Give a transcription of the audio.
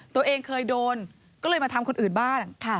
ตัวเองเคยโดนก็เลยมาทำคนอื่นบ้าง